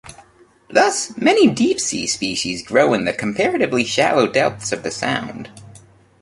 Thus, many deep-sea species grow in the comparatively shallow depths of the Sound.